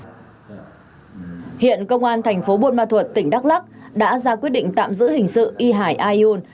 hiện công an thành phố buôn ma thuật tỉnh đắk lắc đã ra quyết định tạm giữ hình sự y hải ayun